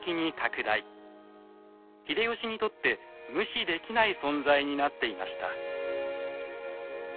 秀吉にとって無視できない存在になっていました。